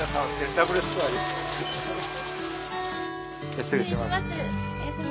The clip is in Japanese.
失礼します。